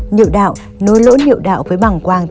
nhiệu đạo nối lỗ liệu đạo với bảng quang